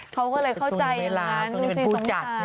เขาก็เลยเข้าใจร้านดูสิสงสาร